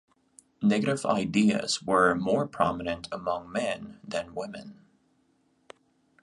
Negative ideas were more prominent among men than women.